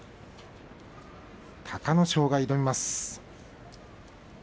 隆の勝が挑みます。